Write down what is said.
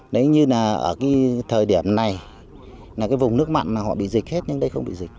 nếu như là ở cái thời điểm này là cái vùng nước mặn mà họ bị dịch hết nhưng đây không bị dịch